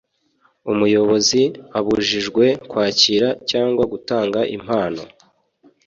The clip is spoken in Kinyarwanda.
Umuyobozi abujijwe kwakira cyangwa gutanga impano